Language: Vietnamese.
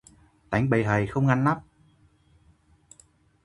Tánh bầy hây, không ngăn nắp